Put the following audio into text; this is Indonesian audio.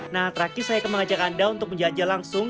nah terakhir saya akan mengajak anda untuk menjajah langsung